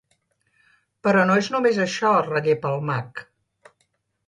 Però no és només això —es rellepa el mag—.